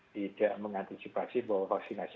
tidak mengantisipasi bahwa vaksinasi